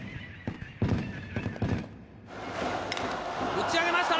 打ち上げました！